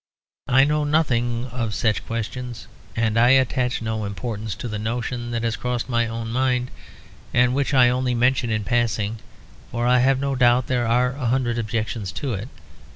I know nothing of such questions; and I attach no importance to the notion that has crossed my own mind, and which I only mention in passing, for I have no doubt there are a hundred objections to it.